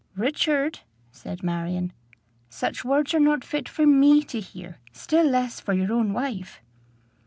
"Richard," said Marion, "such words are not fit for me to hear, still less for your own wife."